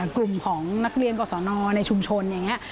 กลุ่มของนักเรียนก่อสนในชุมชนอย่างนี้